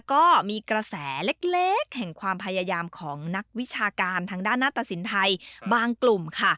ก็มีกระแสเล็กแห่งความพยายามของนักวิชาการทางด้านหน้าตสินไทยบางกลุ่มค่ะ